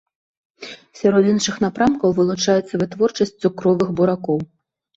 Сярод іншых напрамкаў вылучаецца вытворчасць цукровых буракоў.